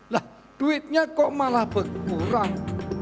lah duitnya kok malah berkurang